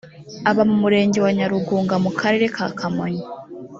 aba mu murenge wa nyarugunga mu karere kakamonyi.